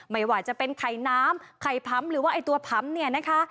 ไม่ว่าจะเป็นไข่น้ำไข่พำหรือว่าไอ้ตัวพำเนี่ยนะคะ